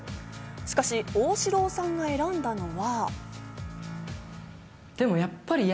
しかし、旺志郎さんが選んだのは。